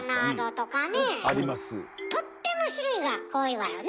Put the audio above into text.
とっても種類が多いわよね。